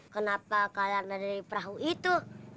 kenapa kalian ada di perahu itu